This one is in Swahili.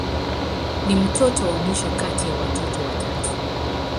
Ni mtoto wa mwisho kati ya watoto watatu.